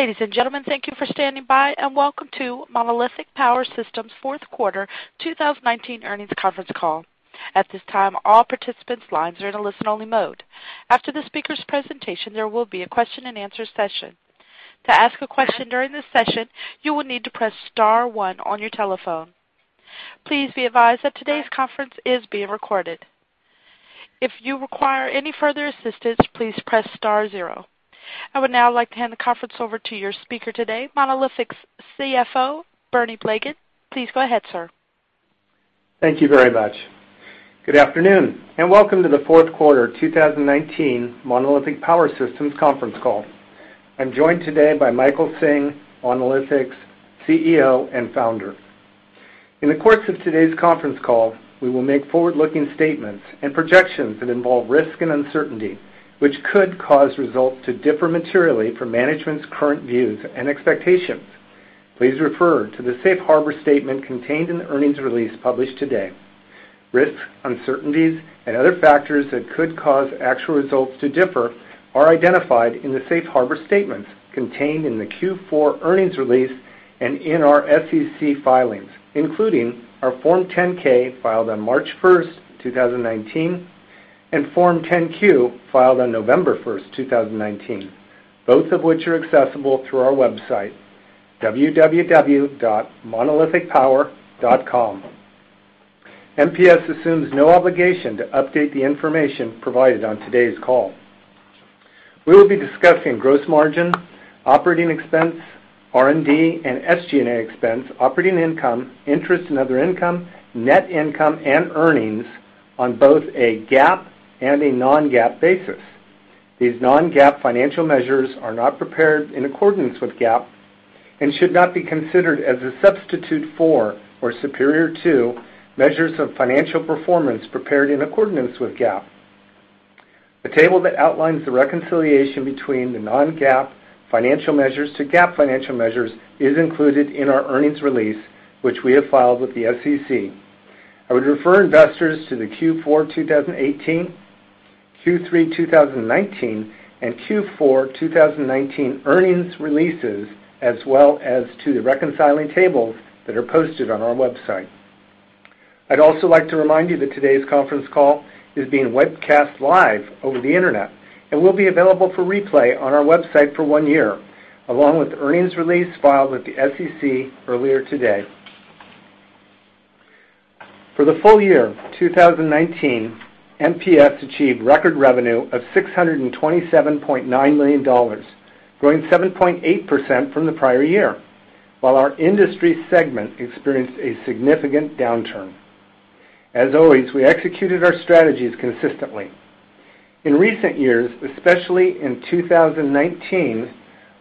Ladies and gentlemen, thank you for standing by, and welcome to Monolithic Power Systems' fourth quarter 2019 earnings conference call. At this time, all participants' lines are in a listen-only mode. After the speaker's presentation, there will be a question-and-answer session. To ask a question during this session, you will need to press star one on your telephone. Please be advised that today's conference is being recorded. If you require any further assistance, please press star zero. I would now like to hand the conference over to your speaker today, Monolithic's CFO, Bernie Blegen. Please go ahead, sir. Thank you very much. Good afternoon, and welcome to the fourth quarter 2019 Monolithic Power Systems conference call. I'm joined today by Michael Hsing, Monolithic's CEO and Founder. In the course of today's conference call, we will make forward-looking statements and projections that involve risk and uncertainty, which could cause results to differ materially from management's current views and expectations. Please refer to the safe harbor statement contained in the earnings release published today. Risks, uncertainties, and other factors that could cause actual results to differ are identified in the safe harbor statements contained in the Q4 earnings release and in our SEC filings, including our Form 10-K filed on March 1st, 2019, and Form 10-Q filed on November 1st, 2019, both of which are accessible through our website, www.monolithicpower.com. MPS assumes no obligation to update the information provided on today's call. We will be discussing gross margin, operating expense, R&D and SG&A expense, operating income, interest and other income, net income, and earnings on both a GAAP and a non-GAAP basis. These non-GAAP financial measures are not prepared in accordance with GAAP and should not be considered as a substitute for or superior to measures of financial performance prepared in accordance with GAAP. The table that outlines the reconciliation between the non-GAAP financial measures to GAAP financial measures is included in our earnings release, which we have filed with the SEC. I would refer investors to the Q4 2018, Q3 2019, and Q4 2019 earnings releases, as well as to the reconciling tables that are posted on our website. I'd also like to remind you that today's conference call is being webcast live over the internet and will be available for replay on our website for one year, along with the earnings release filed with the SEC earlier today. For the full year of 2019, MPS achieved record revenue of $627.9 million, growing 7.8% from the prior year, while our industry segment experienced a significant downturn. As always, we executed our strategies consistently. In recent years, especially in 2019,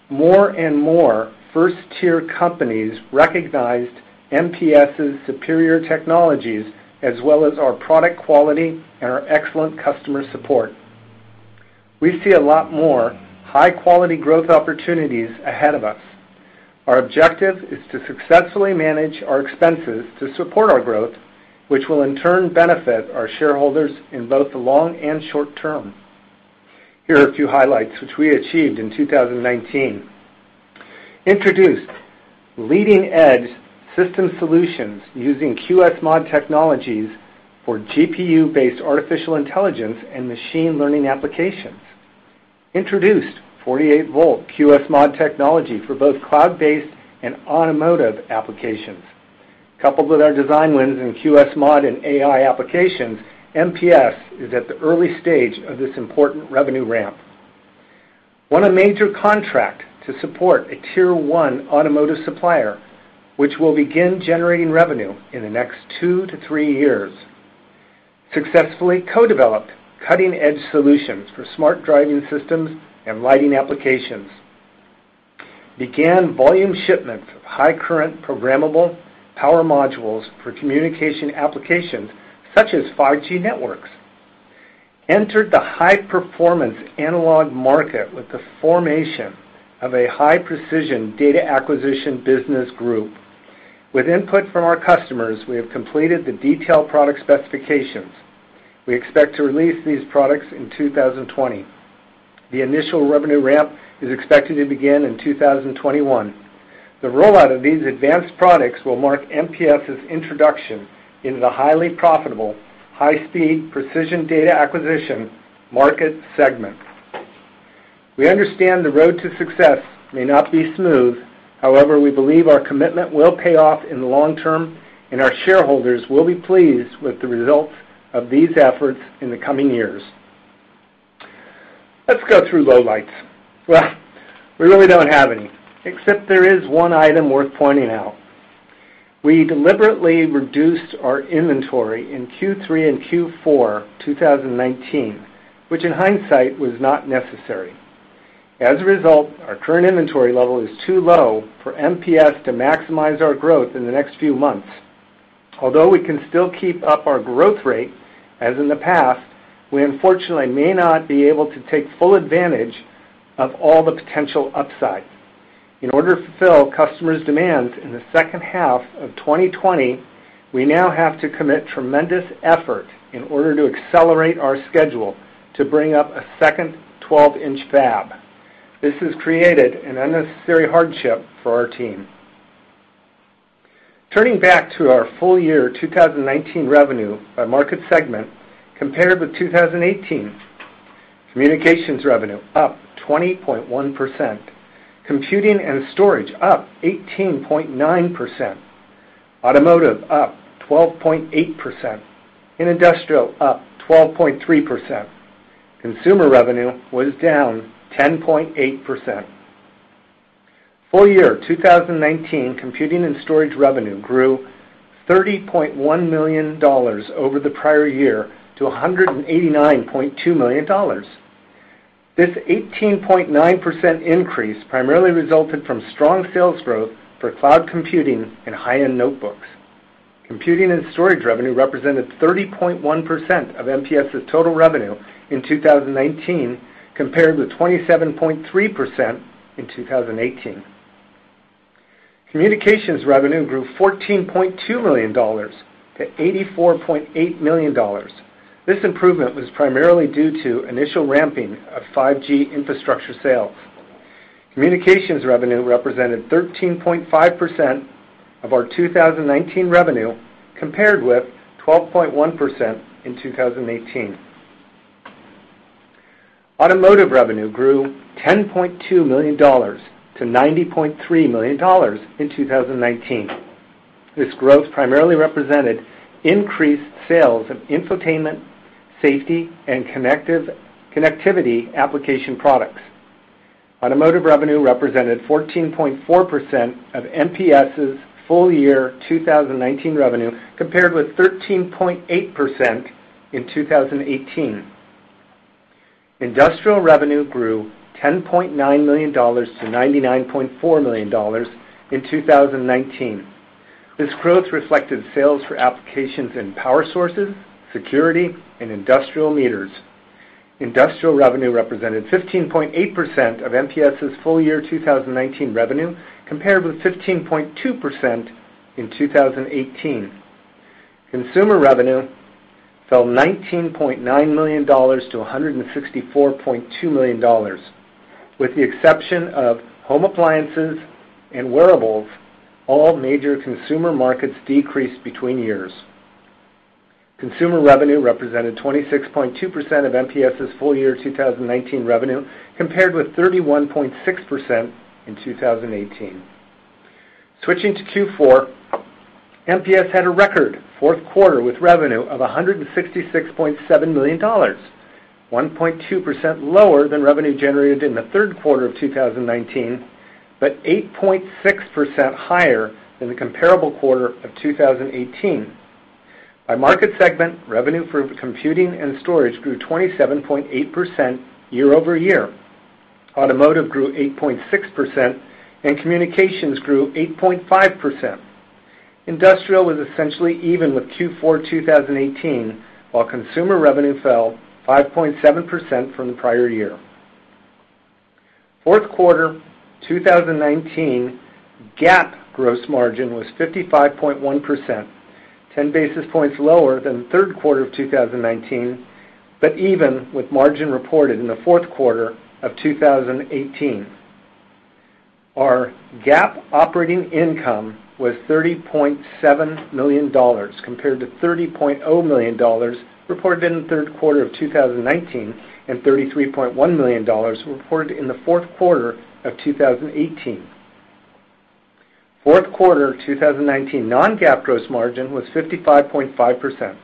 more and more first-tier companies recognized MPS' superior technologies as well as our product quality and our excellent customer support. We see a lot more high-quality growth opportunities ahead of us. Our objective is to successfully manage our expenses to support our growth, which will, in turn, benefit our shareholders in both the long and short term. Here are a few highlights which we achieved in 2019. Introduced leading-edge system solutions using QSMod technologies for GPU-based artificial intelligence and machine learning applications. Introduced 48-volt QSMod technology for both cloud-based and automotive applications. Coupled with our design wins in QSMod and AI applications, MPS is at the early stage of this important revenue ramp. Won a major contract to support a Tier one automotive supplier, which will begin generating revenue in the next two to three years. Successfully co-developed cutting-edge solutions for smart driving systems and lighting applications. Began volume shipments of high-current programmable power modules for communication applications such as 5G networks. Entered the high-performance analog market with the formation of a high-precision data acquisition business group. With input from our customers, we have completed the detailed product specifications. We expect to release these products in 2020. The initial revenue ramp is expected to begin in 2021. The rollout of these advanced products will mark MPS' introduction into the highly profitable, high-speed precision data acquisition market segment. We understand the road to success may not be smooth. However, we believe our commitment will pay off in the long term, and our shareholders will be pleased with the results of these efforts in the coming years. Let's go through lowlights. Well, we really don't have any, except there is one item worth pointing out. We deliberately reduced our inventory in Q3 and Q4 2019, which in hindsight was not necessary. As a result, our current inventory level is too low for MPS to maximize our growth in the next few months. Although we can still keep up our growth rate as in the past, we unfortunately may not be able to take full advantage of all the potential upside. In order to fulfill customers' demands in the second half of 2020, we now have to commit tremendous effort in order to accelerate our schedule to bring up a second 12-in fab. This has created an unnecessary hardship for our team. Turning back to our full year 2019 revenue by market segment compared with 2018, communications revenue up 20.1%, computing and storage up 18.9%, automotive up 12.8%, and industrial up 12.3%. Consumer revenue was down 10.8%. Full year 2019 computing and storage revenue grew $30.1 million over the prior year to $189.2 million. This 18.9% increase primarily resulted from strong sales growth for cloud computing and high-end notebooks. Computing and storage revenue represented 30.1% of MPS's total revenue in 2019, compared with 27.3% in 2018. Communications revenue grew $14.2 million to $84.8 million. This improvement was primarily due to initial ramping of 5G infrastructure sales. Communications revenue represented 13.5% of our 2019 revenue, compared with 12.1% in 2018. Automotive revenue grew $10.2 million to $90.3 million in 2019. This growth primarily represented increased sales of infotainment, safety, and connectivity application products. Automotive revenue represented 14.4% of MPS's full year 2019 revenue, compared with 13.8% in 2018. Industrial revenue grew $10.9 million to $99.4 million in 2019. This growth reflected sales for applications in power sources, security, and industrial meters. Industrial revenue represented 15.8% of MPS's full year 2019 revenue, compared with 15.2% in 2018. Consumer revenue fell $19.9 million to $164.2 million. With the exception of home appliances and wearables, all major consumer markets decreased between years. Consumer revenue represented 26.2% of MPS's full year 2019 revenue, compared with 31.6% in 2018. Switching to Q4, MPS had a record fourth quarter with revenue of $166.7 million, 1.2% lower than revenue generated in the third quarter of 2019, but 8.6% higher than the comparable quarter of 2018. By market segment, revenue for computing and storage grew 27.8% year-over-year. Automotive grew 8.6%, and communications grew 8.5%. Industrial was essentially even with Q4 2018, while consumer revenue fell 5.7% from the prior year. Fourth quarter 2019 GAAP gross margin was 55.1%, 10 basis points lower than third quarter of 2019, but even with margin reported in the fourth quarter of 2018. Our GAAP operating income was $30.7 million, compared to $30.0 million reported in the third quarter of 2019, and $33.1 million reported in the fourth quarter of 2018. Fourth quarter 2019 non-GAAP gross margin was 55.5%,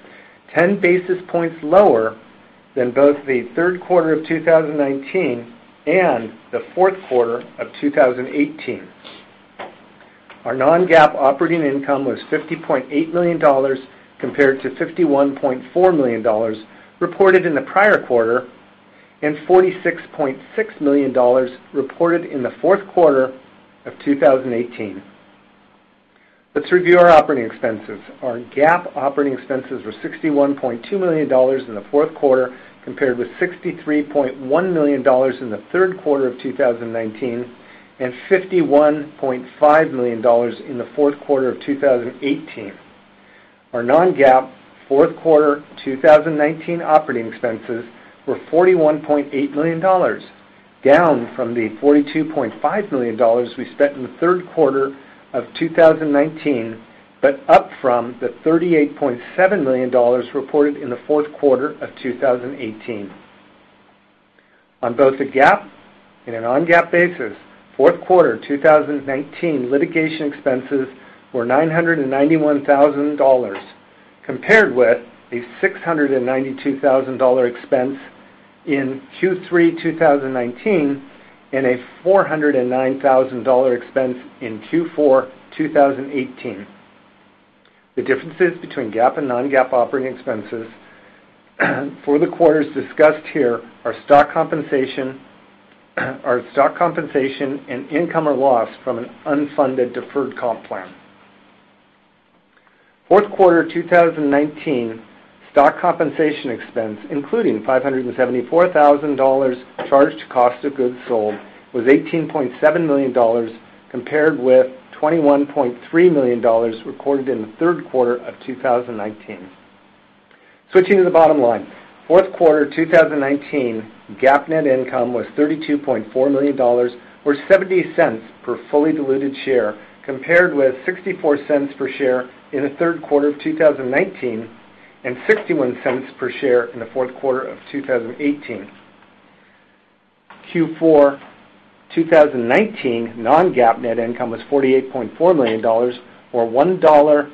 10 basis points lower than both the third quarter of 2019 and the fourth quarter of 2018. Our non-GAAP operating income was $50.8 million, compared to $51.4 million reported in the prior quarter, and $46.6 million reported in the fourth quarter of 2018. Let's review our operating expenses. Our GAAP operating expenses were $61.2 million in the fourth quarter, compared with $63.1 million in the third quarter of 2019, and $51.5 million in the fourth quarter of 2018. Our non-GAAP fourth quarter 2019 operating expenses were $41.8 million, down from the $42.5 million we spent in the third quarter of 2019, but up from the $38.7 million reported in the fourth quarter of 2018. On both a GAAP and a non-GAAP basis, fourth quarter 2019 litigation expenses were $991,000, compared with a $692,000 expense in Q3 2019, and a $409,000 expense in Q4 2018. The differences between GAAP and non-GAAP operating expenses for the quarters discussed here are stock compensation and income or loss from an unfunded deferred comp plan. Fourth quarter 2019 stock compensation expense, including $574,000 charged to cost of goods sold, was $18.7 million, compared with $21.3 million recorded in the third quarter of 2019. Switching to the bottom line, fourth quarter 2019 GAAP net income was $32.4 million, or $0.70 per fully diluted share, compared with $0.64 per share in the third quarter of 2019 and $0.61 per share in the fourth quarter of 2018. Q4 2019 non-GAAP net income was $48.4 million, or $1.04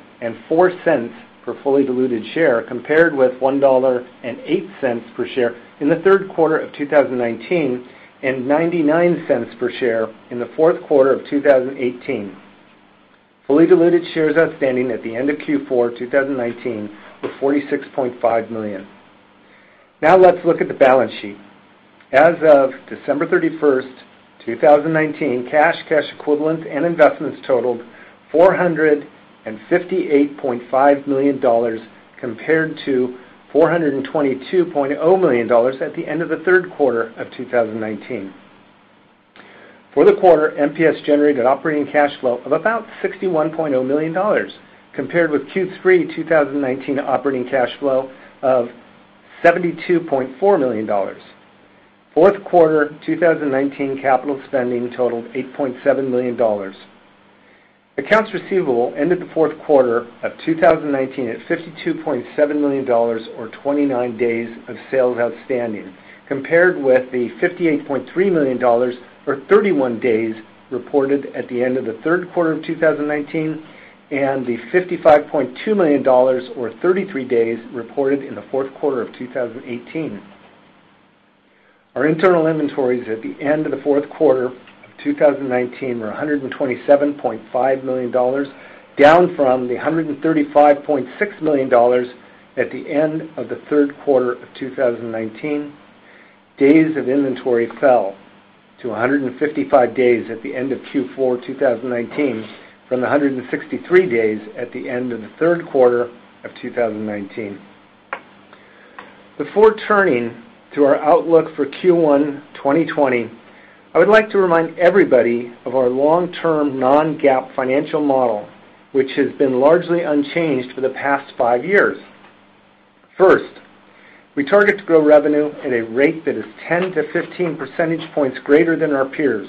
per fully diluted share, compared with $1.08 per share in the third quarter of 2019 and $0.99 per share in the fourth quarter of 2018. Fully diluted shares outstanding at the end of Q4 2019 were $46.5 million. Let's look at the balance sheet. As of December 31st, 2019, cash equivalents, and investments totaled $458.5 million, compared to $422.0 million at the end of the third quarter of 2019. For the quarter, MPS generated operating cash flow of about $61.0 million, compared with Q3 2019 operating cash flow of $72.4 million. Fourth quarter 2019 capital spending totaled $8.7 million. Accounts receivable ended the fourth quarter of 2019 at $52.7 million, or 29 days of sales outstanding, compared with the $58.3 million or 31 days reported at the end of the third quarter of 2019 and the $55.2 million or 33 days reported in the fourth quarter of 2018. Our internal inventories at the end of the fourth quarter of 2019 were $127.5 million, down from the $135.6 million at the end of the third quarter of 2019. Days of inventory fell to 155 days at the end of Q4 2019 from the 163 days at the end of the third quarter of 2019. Before turning to our outlook for Q1 2020, I would like to remind everybody of our long-term non-GAAP financial model, which has been largely unchanged for the past five years. First, we target to grow revenue at a rate that is 10-15 percentage points greater than our peers.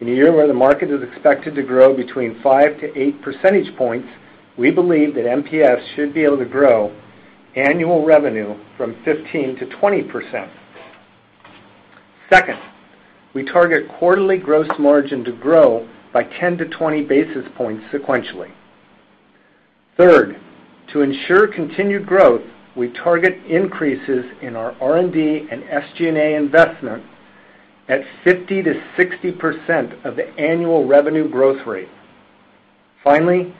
In a year where the market is expected to grow between five to eight percentage points, we believe that MPS should be able to grow annual revenue from 15%-20%. Second, we target quarterly gross margin to grow by 10-20 basis points sequentially. Third, to ensure continued growth, we target increases in our R&D and SG&A investment at 50%-60% of the annual revenue growth rate. Finally,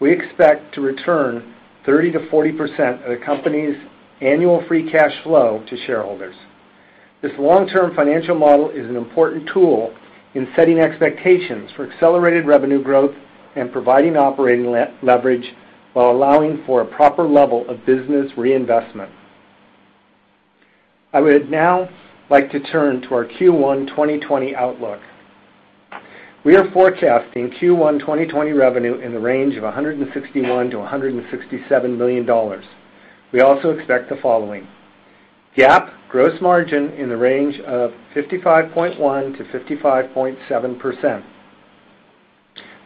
we expect to return 30%-40% of the company's annual free cash flow to shareholders. This long-term financial model is an important tool in setting expectations for accelerated revenue growth and providing operating leverage while allowing for a proper level of business reinvestment. I would now like to turn to our Q1 2020 outlook. We are forecasting Q1 2020 revenue in the range of $161 million-$167 million. We also expect the following. GAAP gross margin in the range of 55.1%-55.7%.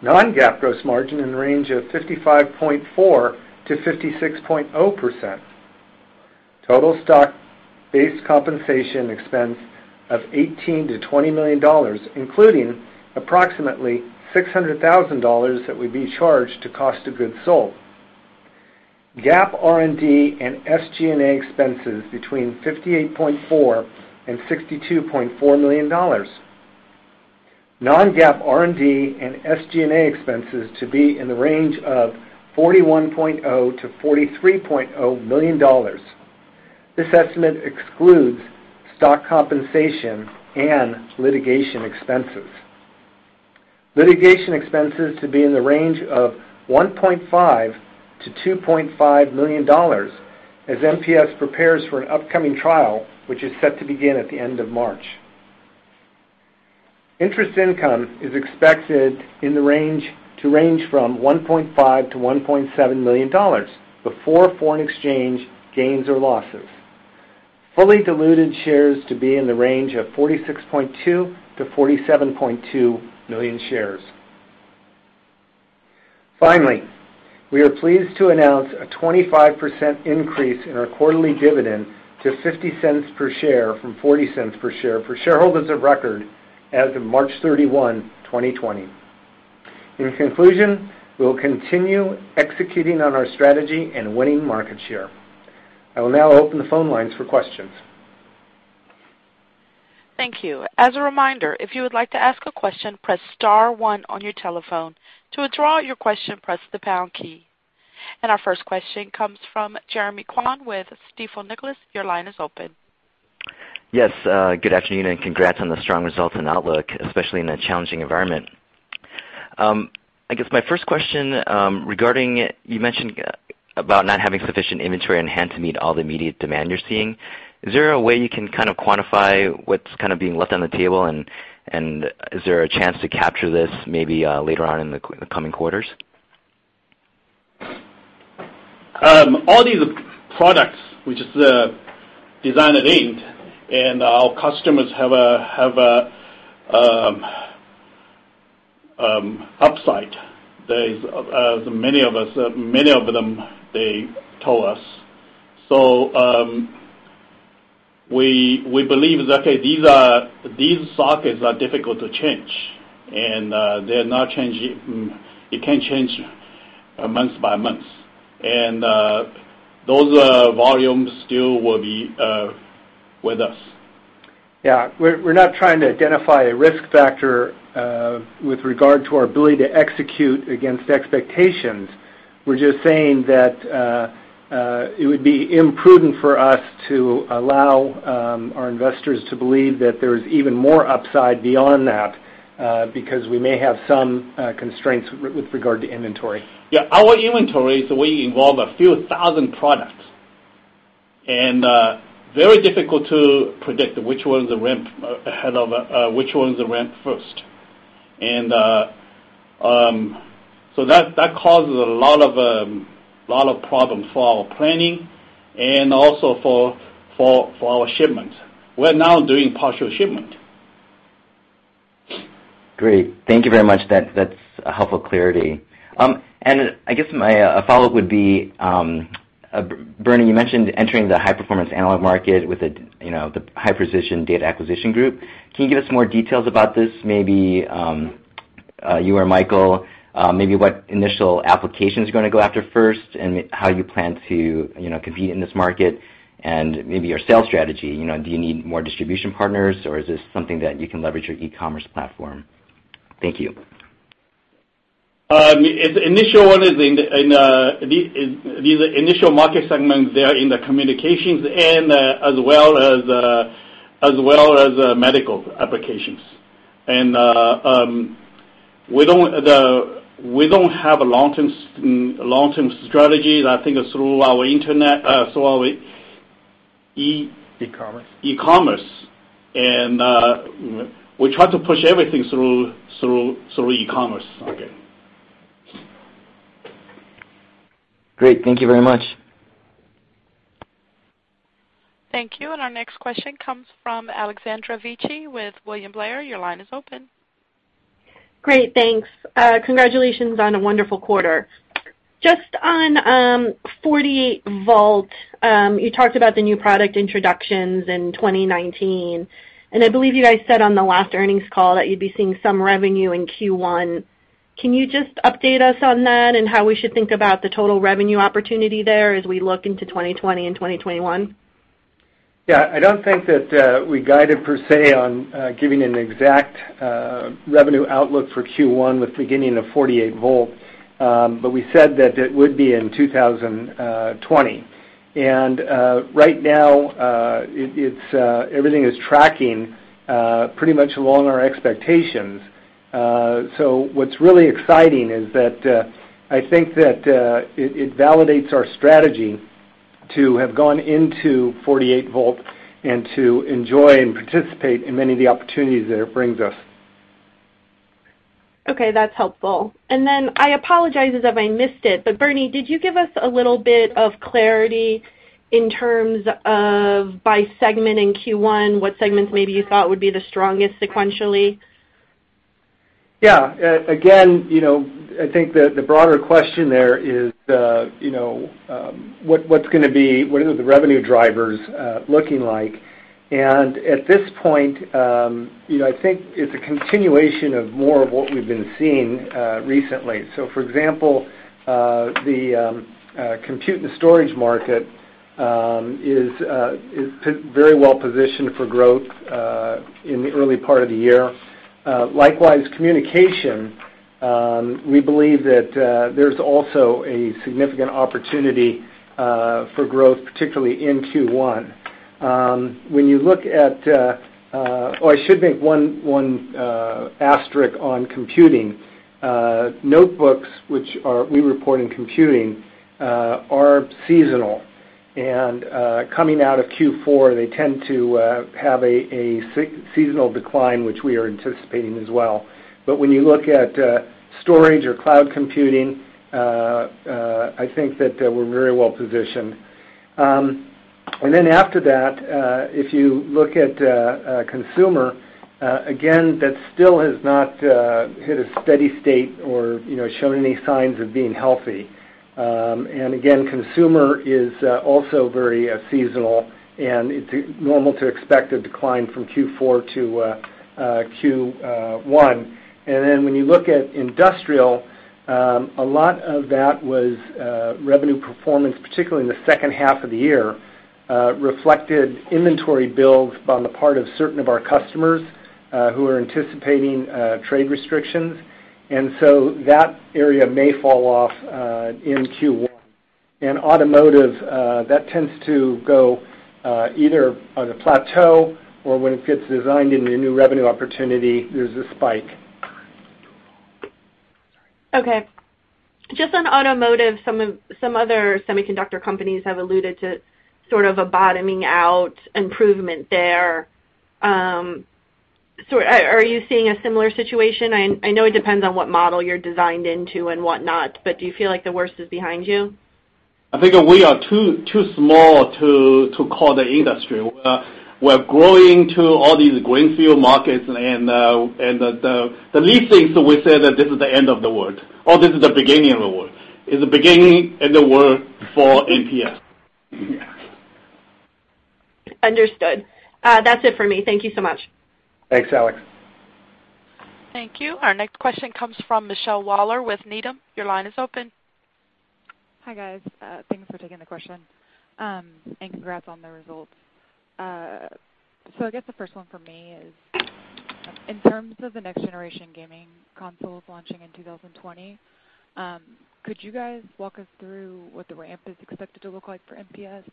Non-GAAP gross margin in the range of 55.4%-56.0%. Total stock-based compensation expense of $18 million to $20 million, including approximately $600,000 that would be charged to cost of goods sold. GAAP R&D and SG&A expenses between $58.4 million and $62.4 million. Non-GAAP R&D and SG&A expenses to be in the range of $41.0 million-$43.0 million. This estimate excludes stock compensation and litigation expenses. Litigation expenses to be in the range of $1.5 million-$2.5 million as MPS prepares for an upcoming trial, which is set to begin at the end of March. Interest income is expected to range from $1.5 million to $1.7 million before foreign exchange gains or losses. Fully diluted shares to be in the range of $46.2 million-$47.2 million shares. Finally, we are pleased to announce a 25% increase in our quarterly dividend to $0.50 per share from $0.40 per share for shareholders of record as of March 31, 2020. In conclusion, we will continue executing on our strategy and winning market share. I will now open the phone lines for questions. Thank you. As a reminder, if you would like to ask a question, press pound key on your telephone. To withdraw your question, press the pound key. Our first question comes from Jeremy Kwan with Stifel Nicolaus. Your line is open. Yes. Good afternoon. Congrats on the strong results and outlook, especially in a challenging environment. I guess my first question regarding you mentioned about not having sufficient inventory on hand to meet all the immediate demand you're seeing. Is there a way you can kind of quantify what's kind of being left on the table, and is there a chance to capture this maybe later on in the coming quarters? All these products which is designed and aimed. Our customers have upside. Many of them, they told us. We believe that, okay, these sockets are difficult to change, and they're not changing. It can't change month by month. Those volumes still will be with us. We're not trying to identify a risk factor, with regard to our ability to execute against expectations. We're just saying that it would be imprudent for us to allow our investors to believe that there's even more upside beyond that, because we may have some constraints with regard to inventory. Yeah. Our inventory, we involve a few thousand products, and very difficult to predict which ones will ramp first. That causes a lot of problem for our planning and also for our shipment. We're now doing partial shipment. Great. Thank you very much. That's a helpful clarity. I guess my follow-up would be, Bernie, you mentioned entering the high-performance analog market with the high-precision data acquisition group. Can you give us more details about this? Maybe, you or Michael, maybe what initial applications you're going to go after first and how you plan to compete in this market and maybe your sales strategy. Do you need more distribution partners, or is this something that you can leverage your e-commerce platform? Thank you. The initial one is in these initial market segments, they are in the communications and as well as medical applications. We don't have a long-term strategy. I think through our internet, through our E-commerce E-commerce, and we try to push everything through e-commerce. Okay. Great. Thank you very much. Thank you. Our next question comes from Alessandra Vecchi with William Blair. Your line is open. Great, thanks. Congratulations on a wonderful quarter. Just on 48-volt, you talked about the new product introductions in 2019, and I believe you guys said on the last earnings call that you'd be seeing some revenue in Q1. Can you just update us on that and how we should think about the total revenue opportunity there as we look into 2020 and 2021? Yeah, I don't think that we guided per se on giving an exact revenue outlook for Q1 with beginning of 48-volt. We said that it would be in 2020. Right now, everything is tracking pretty much along our expectations. What's really exciting is that, I think that it validates our strategy to have gone into 48-volt and to enjoy and participate in many of the opportunities that it brings us. Okay, that's helpful. I apologize as if I missed it, but Bernie, did you give us a little bit of clarity in terms of by segment in Q1, what segments maybe you thought would be the strongest sequentially? Yeah. I think the broader question there is what are the revenue drivers looking like? At this point, I think it's a continuation of more of what we've been seeing recently. For example, the compute and storage market is very well positioned for growth, in the early part of the year. Likewise, communication, we believe that there's also a significant opportunity for growth, particularly in Q1. I should make one asterisk on computing. Notebooks, which we report in computing, are seasonal. Coming out of Q4, they tend to have a seasonal decline, which we are anticipating as well. When you look at storage or cloud computing, I think that we're very well positioned. After that, if you look at consumer, again, that still has not hit a steady state or shown any signs of being healthy. Again, consumer is also very seasonal, and it's normal to expect a decline from Q4 to Q1. When you look at industrial, a lot of that was revenue performance, particularly in the second half of the year, reflected inventory builds on the part of certain of our customers, who are anticipating trade restrictions. That area may fall off in Q1. Automotive, that tends to go either on a plateau or when it gets designed into a new revenue opportunity, there's a spike. Okay. Just on automotive, some other semiconductor companies have alluded to sort of a bottoming out improvement there. Are you seeing a similar situation? I know it depends on what model you're designed into and whatnot, but do you feel like the worst is behind you? I think we are too small to call the industry. We're growing to all these greenfield markets and the least things we say that this is the end of the world, or this is the beginning of the world. It's the beginning and the world for MPS. Understood. That's it for me. Thank you so much. Thanks, Alex. Thank you. Our next question comes from Michelle Waller with Needham. Your line is open. Hi, guys. Thanks for taking the question, and congrats on the results. I guess the first one for me is, in terms of the next generation gaming consoles launching in 2020, could you guys walk us through what the ramp is expected to look like for MPS?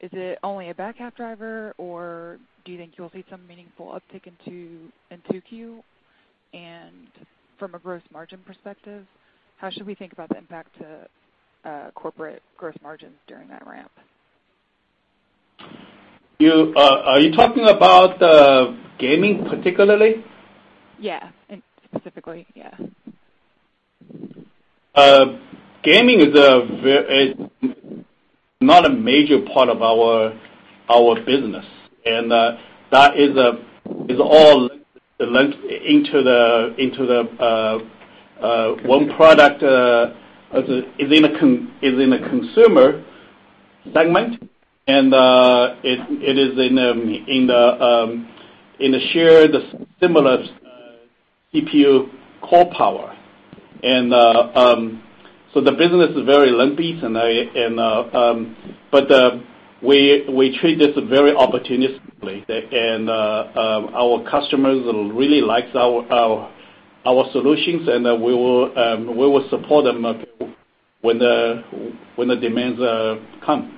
Is it only a back half driver, or do you think you'll see some meaningful uptick in 2Q? From a gross margin perspective, how should we think about the impact to corporate gross margins during that ramp? Are you talking about gaming particularly? Yeah. Specifically, yeah. Gaming is not a major part of our business, and that is all linked into the one product is in a consumer segment, and it is in a shared similar CPU core power. The business is very lumpy, but we treat this very opportunistically, and our customers really likes our solutions, and we will support them when the demands come.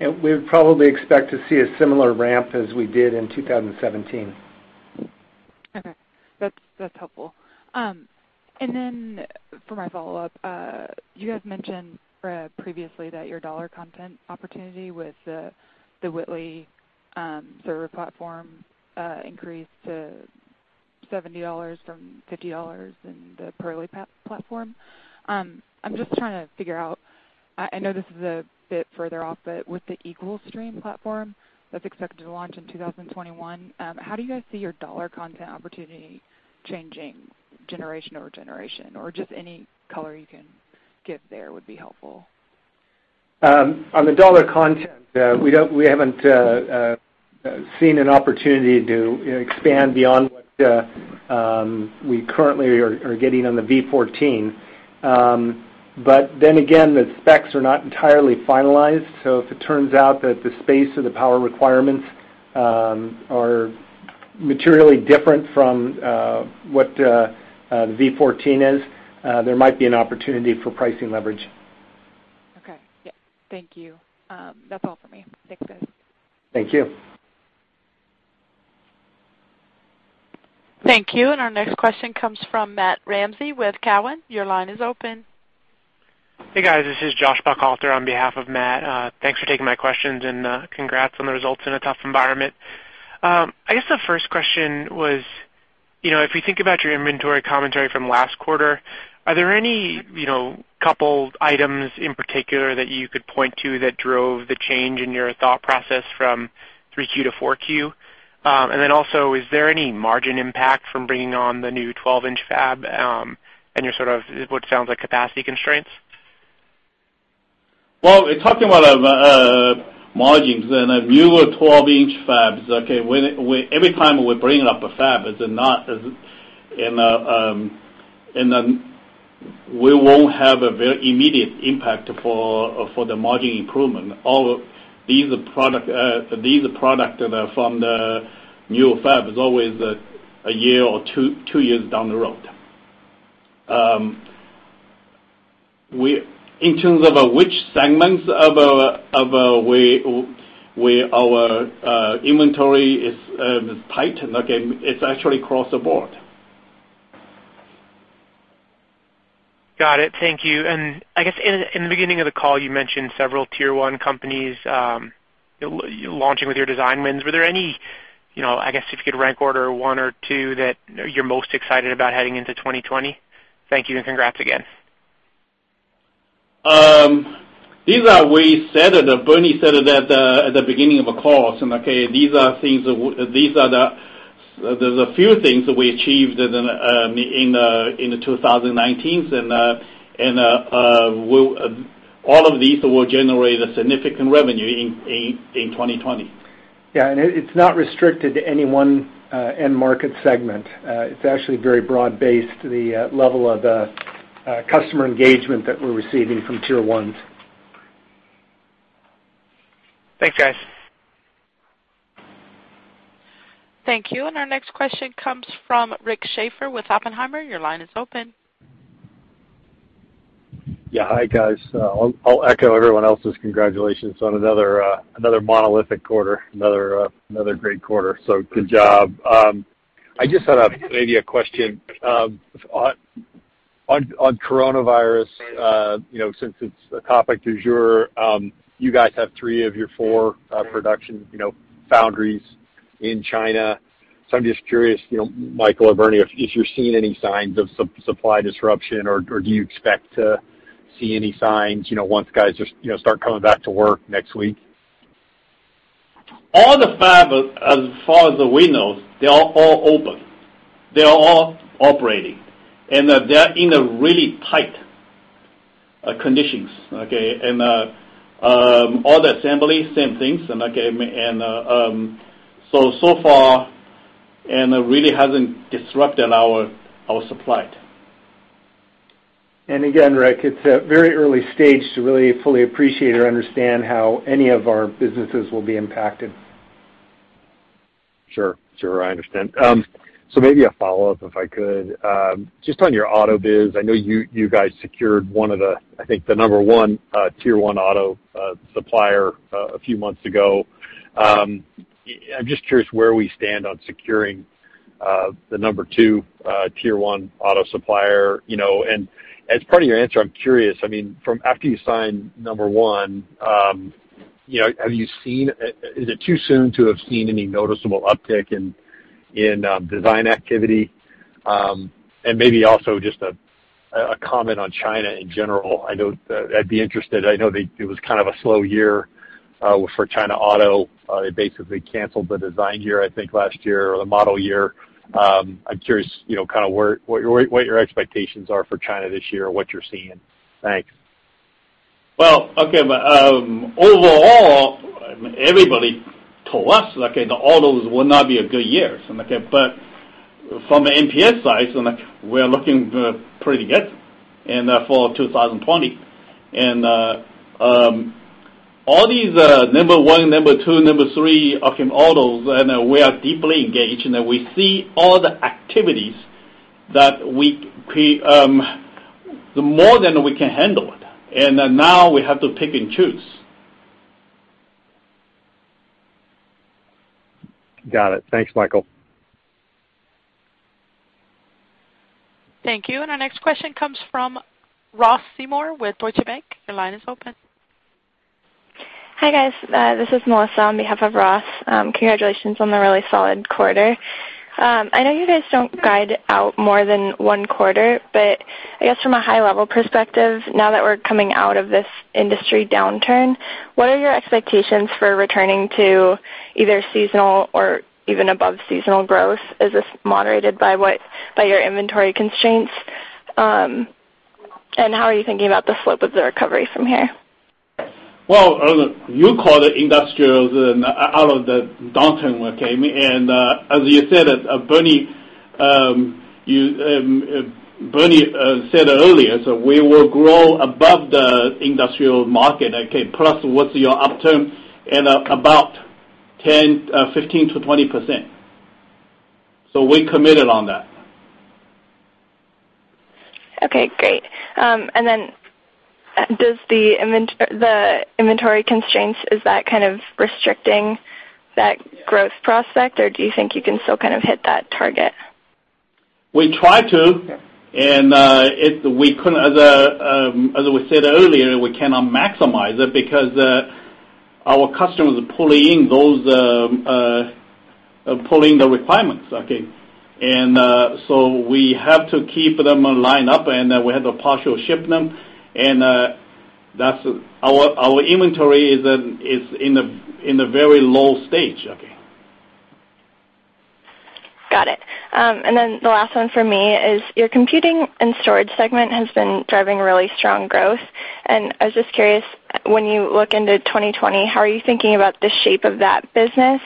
We would probably expect to see a similar ramp as we did in 2017. Okay. That's helpful. For my follow-up, you guys mentioned previously that your dollar content opportunity with the Whitley server platform increased to $70 from $50 in the Purley platform. I'm just trying to figure out, I know this is a bit further off, but with the Eagle Stream platform that's expected to launch in 2021, how do you guys see your dollar content opportunity changing generation over generation? Just any color you can give there would be helpful. On the dollar content, we haven't seen an opportunity to expand beyond what we currently are getting on the V14. Again, the specs are not entirely finalized, so if it turns out that the space or the power requirements are materially different from what the V14 is, there might be an opportunity for pricing leverage. Okay. Yeah. Thank you. That's all for me. Thanks, guys. Thank you. Thank you. Our next question comes from Matt Ramsay with Cowen. Your line is open. Hey, guys, this is Josh Buchalter on behalf of Matt. Thanks for taking my questions and congrats on the results in a tough environment. I guess the first question was, if we think about your inventory commentary from last quarter, are there any couple items in particular that you could point to that drove the change in your thought process from 3Q to 4Q? Is there any margin impact from bringing on the new 12-in fab, and your sort of what sounds like capacity constraints? Well, in talking about margins and a newer 12-in fabs, okay, every time we bring up a fab, we won't have a very immediate impact for the margin improvement. All these product from the new fab is always a year or two years down the road. In terms of which segments of our inventory is tightened, again, it's actually across the board. Got it. Thank you. I guess in the beginning of the call, you mentioned several Tier one companies launching with your design wins. Were there any, I guess, if you could rank order one or two that you're most excited about heading into 2020? Thank you, and congrats again. Bernie said it at the beginning of the call. Okay, there's a few things that we achieved in 2019, and all of these will generate a significant revenue in 2020. Yeah, it's not restricted to any one end market segment. It's actually very broad-based, the level of customer engagement that we're receiving from Tier ones. Thanks, guys. Thank you. Our next question comes from Rick Schafer with Oppenheimer. Your line is open. Yeah. Hi, guys. I'll echo everyone else's congratulations on another monolithic quarter, another great quarter. Good job. I just had maybe a question on On coronavirus, since it's a topic du jour, you guys have three of your four production foundries in China. I'm just curious, Michael or Bernie, if you're seeing any signs of supply disruption or do you expect to see any signs once guys just start coming back to work next week? All the fabs, as far as we know, they are all open. They are all operating, and they are in a really tight condition. All the assembly, same thing. So far, it really hasn't disrupted our supply. Again, Rick, it's a very early stage to really fully appreciate or understand how any of our businesses will be impacted. Sure. I understand. Maybe a follow-up, if I could. Just on your auto biz, I know you guys secured one of the, I think, the number one Tier one auto supplier a few months ago. I'm just curious where we stand on securing the number two Tier one auto supplier. As part of your answer, I'm curious, from after you signed number one, is it too soon to have seen any noticeable uptick in design activity? Maybe also just a comment on China in general. I'd be interested. I know that it was kind of a slow year for China auto. They basically canceled the design year, I think, last year, or the model year. I'm curious what your expectations are for China this year and what you're seeing. Thanks. Well, okay. Overall, everybody told us that autos will not be a good year. From the MPS side, we're looking pretty good for 2020. All these number one, number two, number three autos, and we are deeply engaged, and we see all the activities that more than we can handle. Now we have to pick and choose. Got it. Thanks, Michael. Thank you. Our next question comes from Ross Seymore with Deutsche Bank. Your line is open. Hi, guys. This is Melissa on behalf of Ross. Congratulations on the really solid quarter. I know you guys don't guide out more than one quarter, but I guess from a high-level perspective, now that we're coming out of this industry downturn, what are your expectations for returning to either seasonal or even above seasonal growth? Is this moderated by your inventory constraints? How are you thinking about the slope of the recovery from here? Well, you call the industrials out of the downturn. As Bernie said earlier, we will grow above the industrial market, plus what's your upturn at about 15%-20%. We're committed on that. Okay, great. Does the inventory constraints, is that kind of restricting that growth prospect, or do you think you can still kind of hit that target? As we said earlier, we cannot maximize it because our customers are pulling the requirements. We have to keep them lined up, and we have to partial ship them. Our inventory is in a very low stage. Got it. The last one from me is, your Computing and Storage segment has been driving really strong growth, and I was just curious, when you look into 2020, how are you thinking about the shape of that business?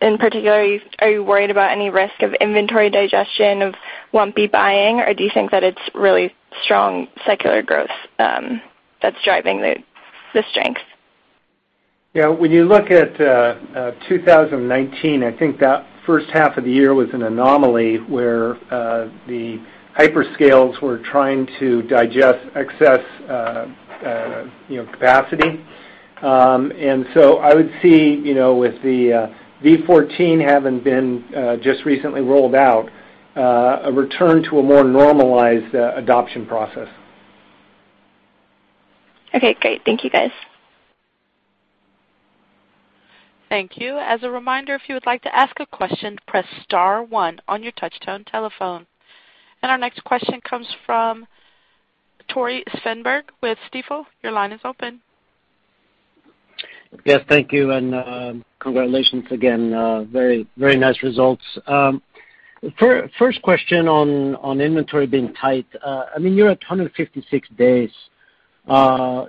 In particular, are you worried about any risk of inventory digestion of lumpy buying, or do you think that it's really strong secular growth that's driving the strength? When you look at 2019, I think that first half of the year was an anomaly where the hyperscales were trying to digest excess capacity. I would see, with the V14 having been just recently rolled out, a return to a more normalized adoption process. Okay, great. Thank you, guys. Thank you. As a reminder, if you would like to ask a question, press star one on your touch-tone telephone. Our next question comes from Tore Svanberg with Stifel. Your line is open. Yes, thank you. Congratulations again. Very nice results. First question on inventory being tight. You're at 156 days. How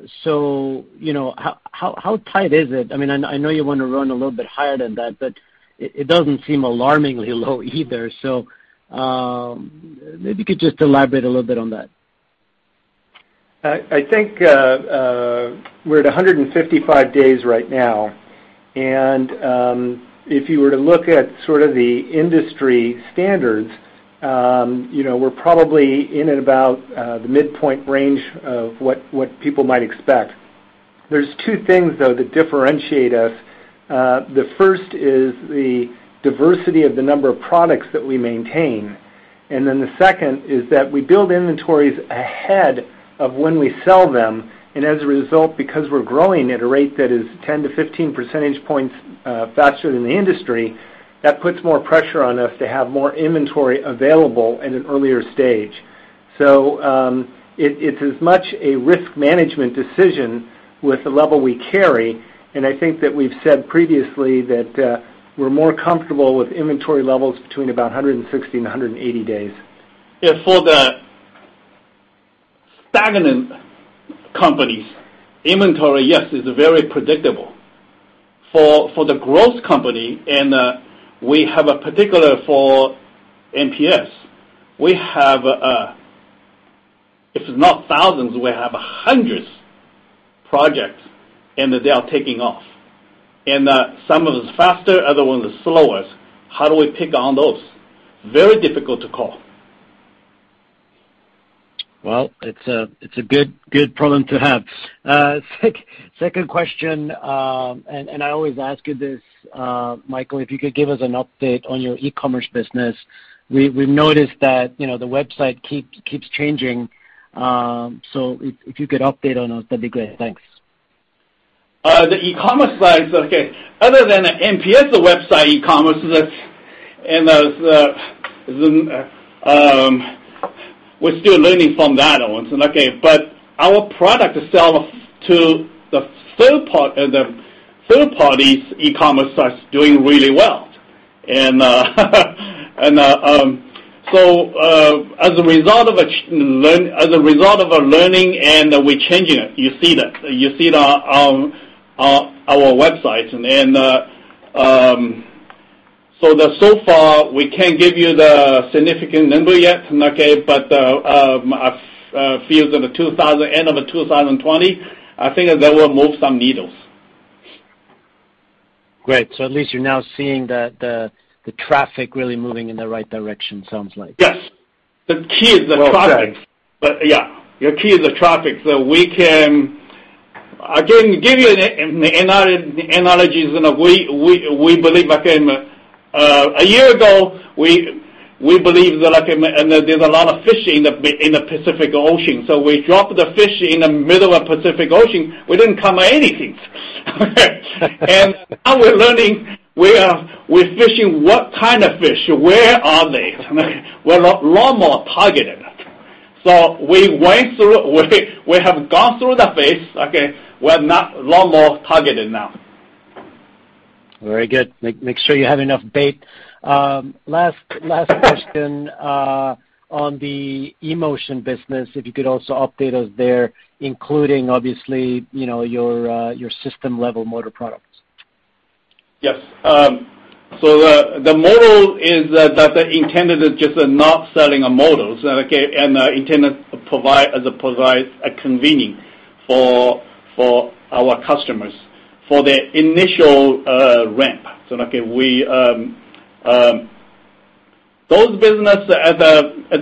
tight is it? I know you want to run a little bit higher than that, it doesn't seem alarmingly low either. Maybe you could just elaborate a little bit on that. I think we're at 155 days right now, and if you were to look at sort of the industry standards, we're probably in at about the midpoint range of what people might expect. There's two things, though, that differentiate us. The first is the diversity of the number of products that we maintain, and then the second is that we build inventories ahead of when we sell them, and as a result, because we're growing at a rate that is 10-15 percentage points faster than the industry, that puts more pressure on us to have more inventory available at an earlier stage. It's as much a risk management decision with the level we carry, and I think that we've said previously that we're more comfortable with inventory levels between about 160-180 days. Yeah, for the stagnant companies, inventory, yes, is very predictable. For the growth company, and we have a particular for MPS, we have, if not thousands, we have hundreds projects, and they are taking off, and some of those faster, other ones are slower. How do we pick on those? Very difficult to call. Well, it's a good problem to have. Second question, I always ask you this, Michael, if you could give us an update on your e-commerce business. We've noticed that the website keeps changing. If you could update on those, that'd be great. Thanks. The e-commerce side, okay, other than MPS website e-commerce, we're still learning from that one. Our product sell to the third parties e-commerce sites doing really well. As a result of our learning, and we're changing it, you see that. You see that on our website. So far, we can't give you the significant number yet, but feels end of 2020, I think that will move some needles. Great. At least you're now seeing the traffic really moving in the right direction, sounds like? Yes. The key is the traffic. Okay. Yeah, the key is the traffic. I can give you analogies, and a year ago, we believe there's a lot of fish in the Pacific Ocean. We drop the fish in the middle of Pacific Ocean, we didn't come anything. Now we're learning, we're fishing what kind of fish, where are they? We're a lot more targeted. We have gone through the phase, okay, we're now lot more targeted now. Very good. Make sure you have enough bait. Last question on the eMotion business, if you could also update us there, including obviously, your system level motor products. Yes. The model is that intended is just not selling models, and intended as provide a convenience for our customers for the initial ramp. Those businesses at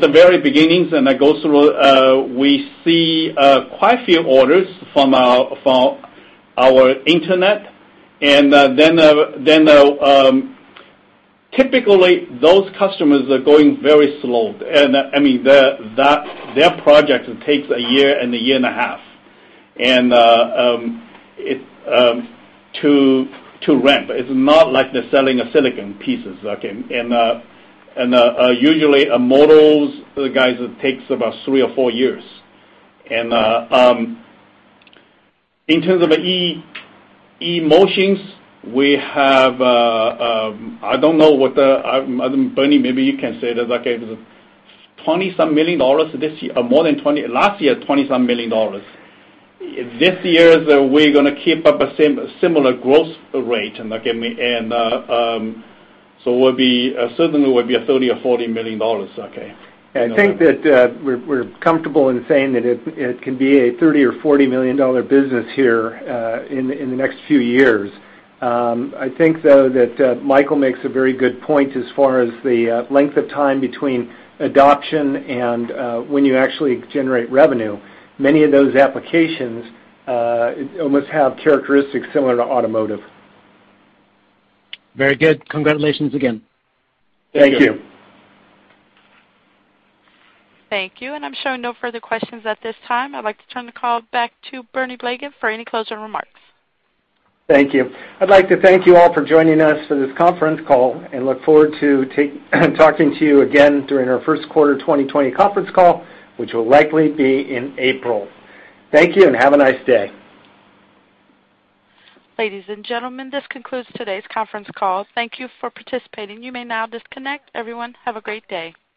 the very beginning, I go through, we see quite a few orders from our internet. Typically, those customers are going very slow. Their project takes a year and a year and a half to ramp. It's not like they're selling silicon pieces. Usually, models, guys, it takes about three or four years. In terms of eMotion, I don't know. Bernie, maybe you can say this. Last year, $27 million. This year, we're going to keep up a similar growth rate. Certainly will be $30 million or $40 million. I think that we're comfortable in saying that it can be a $30 million or $40 million business here in the next few years. I think, though, that Michael makes a very good point as far as the length of time between adoption and when you actually generate revenue. Many of those applications almost have characteristics similar to automotive. Very good. Congratulations again. Thank you. Thank you. Thank you, and I'm showing no further questions at this time. I'd like to turn the call back to Bernie Blegen for any closing remarks. Thank you. I'd like to thank you all for joining us for this conference call and look forward to talking to you again during our first quarter 2020 conference call, which will likely be in April. Thank you and have a nice day. Ladies and gentlemen, this concludes today's conference call. Thank you for participating. You may now disconnect. Everyone, have a great day.